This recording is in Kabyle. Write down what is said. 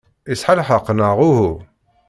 Yesɛa lḥeqq, neɣ uhu?